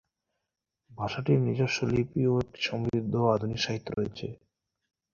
ভাষাটির নিজস্ব লিপি ও একটি সমৃদ্ধ আধুনিক সাহিত্য রয়েছে।